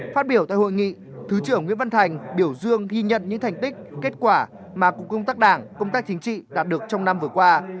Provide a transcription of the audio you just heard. phát biểu tại hội nghị thứ trưởng nguyễn văn thành biểu dương ghi nhận những thành tích kết quả mà cục công tác đảng công tác chính trị đạt được trong năm vừa qua